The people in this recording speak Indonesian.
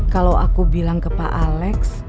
kalau aku bilang ke pak alex